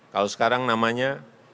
kalau sekarang namanya